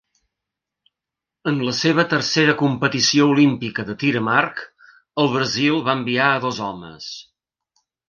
En la seva tercera competició olímpica de tir amb arc, el Brasil va enviar a dos homes.